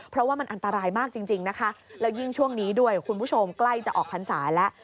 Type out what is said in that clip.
เพราะว่ามันอันตรายมากจริงนะคะแล้วยิ่งช่วงนี้ด้วยคุณผู้ชมใกล้จะออกพรรษาแล้ว